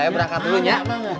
saya berangkat dulu ya